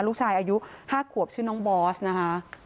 ลูกชายอายุ๕ขวบชื่อน้องบอสนะคะ